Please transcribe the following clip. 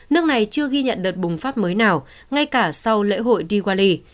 nước này chưa ghi nhận đợt bùng phát mới nào ngay cả sau lễ hội diwali